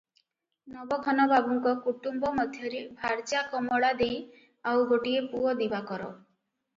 ନବଘନ ବାବୁଙ୍କ କୁଟୂମ୍ବ ମଧ୍ୟରେ ଭାର୍ଯ୍ୟା କମଳା ଦେଈ ଆଉ ଗୋଟିଏ ପୁଅ ଦିବାକର ।